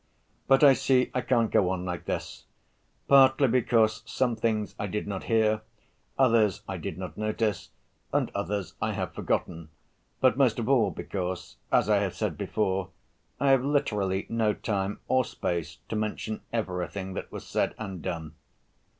But I see I can't go on like this, partly because some things I did not hear, others I did not notice, and others I have forgotten, but most of all because, as I have said before, I have literally no time or space to mention everything that was said and done.